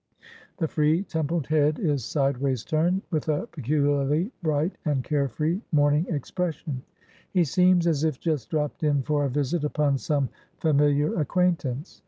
The free templed head is sideways turned, with a peculiarly bright, and care free, morning expression. He seems as if just dropped in for a visit upon some familiar acquaintance.